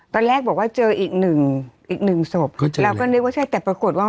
ตอนแรกบอกว่าเจออีกหนึ่งอีกหนึ่งศพเข้าใจเราก็นึกว่าใช่แต่ปรากฏว่า